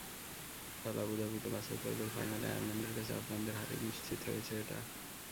কাল আবুধাবিতে বাছাইপর্বের ফাইনালে আয়ারল্যান্ডের কাছে আফগানদের হারেই নিশ্চিত হয়েছে এটা।